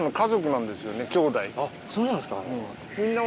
あっそうなんですか。